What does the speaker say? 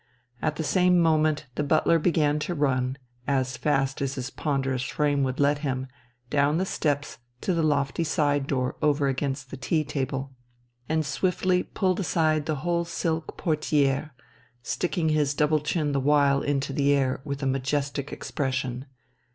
At the same moment the butler began to run, as fast as his ponderous frame would let him, down the steps to the lofty side door over against the tea table, and swiftly pulled aside the whole silk portière, sticking his double chin the while into the air with a majestic expression.